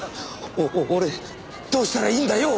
お俺どうしたらいいんだよ！？